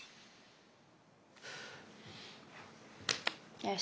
よし。